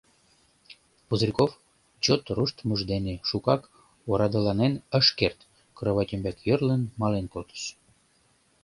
Пузырьков чот руштмыж дене шукак орадыланен ыш керт, кровать ӱмбак йӧрлын, мален колтыш.